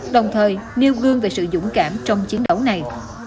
đồng thời nêu gương về sự dũng cảm trong chiến đấu này